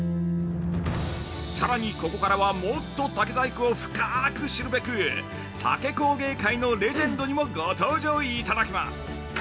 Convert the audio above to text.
さらにここからはもっと竹細工を深く知るべく竹細工界のレジェンドにご登場いただきます。